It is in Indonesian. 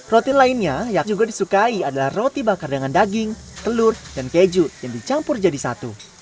roti lainnya yang juga disukai adalah roti bakar dengan daging telur dan keju yang dicampur jadi satu